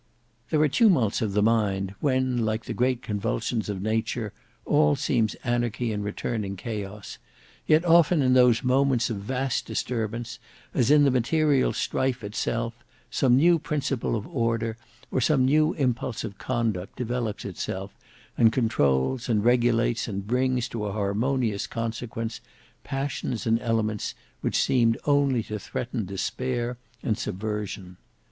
There are tumults of the mind when like the great convulsions of nature all seems anarchy and returning chaos, yet often in those moments of vast disturbance, as in the material strife itself, some new principle of order, or some new impulse of conduct, develops itself, and controls and regulates and brings to an harmonious consequence, passions and elements which seemed only to threaten despair and subversion.